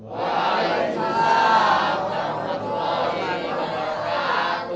waalaikumsalam warahmatullahi wabarakatuh